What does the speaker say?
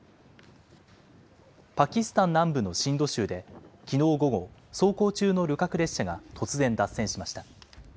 パキスタン南部のシンド州できのう午後、走行中の旅客列車が突然脱線しました。